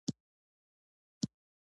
چاکلېټ له نټ سره ښه خوند لري.